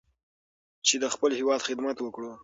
چې د خپل هېواد خدمت وکړو.